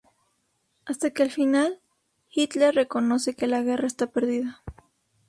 Hasta que al final, Hitler reconoce que la guerra está perdida.